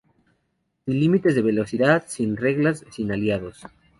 Sin límites de velocidad, sin reglas, sin aliados.